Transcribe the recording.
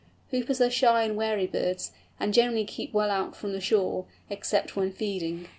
Hoopers are shy and wary birds, and generally keep well out from shore, except when feeding.